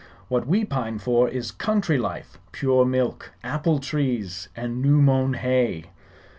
What we pine for is country life pure milk, apple trees and new mown hay."